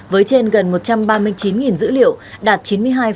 với trên gần một trăm ba mươi chín dữ liệu đạt chín mươi hai hai mươi năm